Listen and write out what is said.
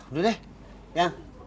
udah deh yang